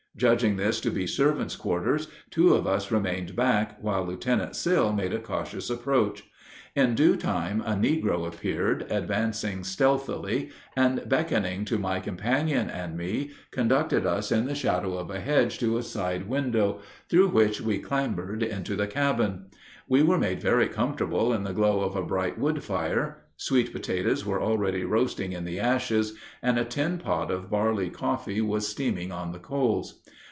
Judging this to be servants' quarters, two of us remained back while Lieutenant Sill made a cautious approach. In due time a negro appeared, advancing stealthily, and, beckoning to my companion and me, conducted us in the shadow of a hedge to a side window, through which we clambered into the cabin. We were made very comfortable in the glow of a bright woodfire. Sweet potatoes were already roasting in the ashes, and a tin pot of barley coffee was steaming on the coals.